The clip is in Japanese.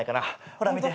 ほら見て。